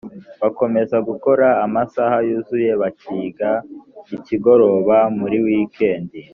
bakomeza gukora amasaha yuzuye bakiga ikigoroba muri wikendi